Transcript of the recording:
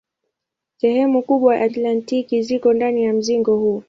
Sehemu kubwa ya Antaktiki ziko ndani ya mzingo huu.